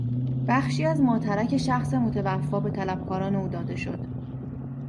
بخشی از ماترک شخص متوفی به طلبکاران او داده شد.